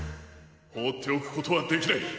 ほうっておくことはできない！